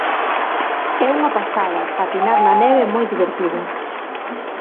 É unha pasada, patinar na neve é moi divertido.